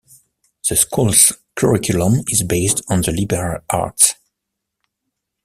The school's curriculum is based on the liberal arts.